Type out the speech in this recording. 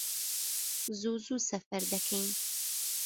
زوو زوو سەفەر دەکەین